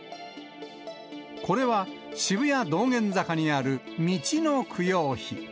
これは渋谷・道玄坂にある道の供養碑。